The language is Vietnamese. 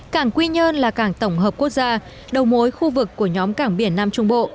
cảng quy nhơn là cảng tổng hợp quốc gia đầu mối khu vực của nhóm cảng biển nam trung bộ